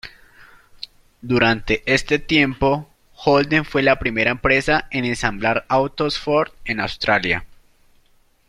Durante este tiempo Holden fue la primera empresa en ensamblar autos Ford en Australia.